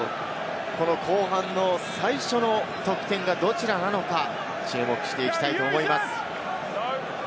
後半の最初の得点がどちらなのか注目していきたいと思います。